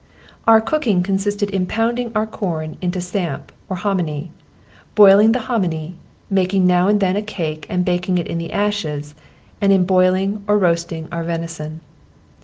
Our cooking consisted in pounding our corn into samp or hommany, boiling the hommany, making now and then a cake and baking it in the ashes, and in boiling or roasting our venison.